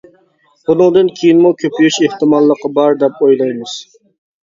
بۇنىڭدىن كېيىنمۇ كۆپىيىش ئېھتىماللىقى بار دەپ ئويلايمىز.